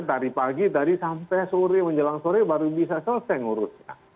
dari pagi tadi sampai sore menjelang sore baru bisa selesai ngurusnya